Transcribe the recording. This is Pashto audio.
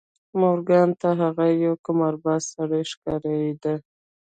مورګان ته هغه یو قمارباز سړی ښکارېده